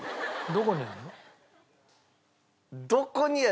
どこにあるの？